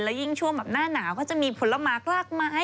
แล้วยิ่งชั่วหน้านาวก็จะมีผลมากรากไม้